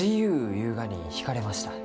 ゆうがに引かれました。